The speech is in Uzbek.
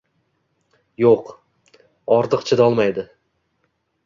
Yo`q, ortiq chidolmaydi